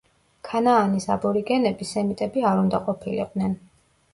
ქანაანის აბორიგენები სემიტები არ უნდა ყოფილიყვნენ.